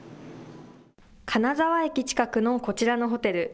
金沢駅近くのこちらのホテル。